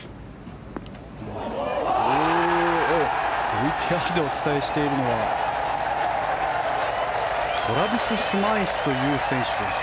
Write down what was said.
ＶＴＲでお伝えしているのはトラビス・スマイスという選手です。